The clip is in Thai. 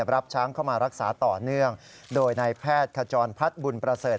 รับช้างเข้ามารักษาต่อเนื่องโดยนายแพทย์ขจรพัฒน์บุญประเสริฐ